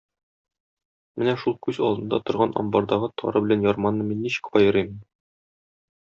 Менә шул күз алдында торган амбардагы тары белән ярманы мин ничек аерыйм?